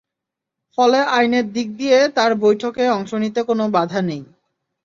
ফলে আইনের দিক দিয়ে তাঁর বৈঠকে অংশ নিতে কোনো বাধা নেই।